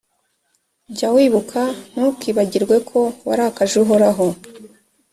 jya wibuka, ntukibagirwe ko warakaje uhoraho